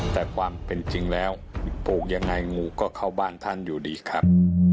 แต่ความเป็นจริงแล้วปลูกยังไงงูก็เข้าบ้านท่านอยู่ดีครับ